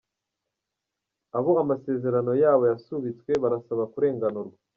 Abo amasezerano yabo yasubitswe barasaba kurenganurwa.